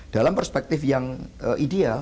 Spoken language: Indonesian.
dalam perspektif yang ideal